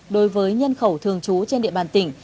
đối với nhân khẩu thường trú trên địa bàn tỉnh